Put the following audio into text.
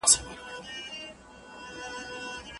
موږ به په راتلونکي کي د هغوی درناوی وکړو.